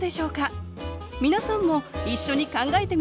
みなさんも一緒に考えてみませんか？